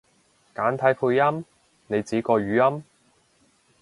簡體配音？你指個語音？